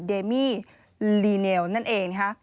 เมมี่ลีเนลนั่นเองนะคะ